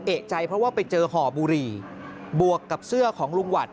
เอกใจเพราะว่าไปเจอห่อบุหรี่บวกกับเสื้อของลุงหวัด